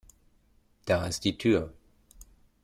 Da ist die Tür!